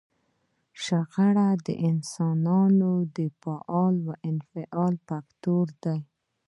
شخړه د انسانانو د فعل او انفعال یو فکتور دی.